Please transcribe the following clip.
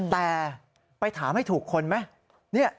แต่ไปถามให้ถูกคนไหม